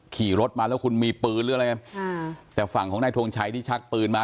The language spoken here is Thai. ขี่รถมาแล้วคุณมีปืนหรืออะไรค่ะแต่ฝั่งของนายทงชัยที่ชักปืนมา